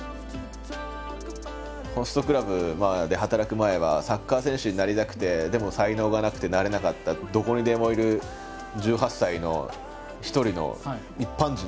ホストクラブで働く前はサッカー選手になりたくてでも才能がなくてなれなかったどこにでもいる１８歳の一人の一般人だったんですよ。